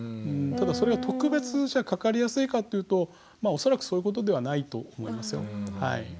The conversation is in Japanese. ただそれは特別じゃあかかりやすいかというとまあ恐らくそういうことではないと思いますよ。